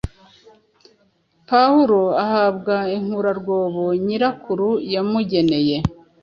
pahulo ahabwa inkurarwobo nyirakuru yamugeneye,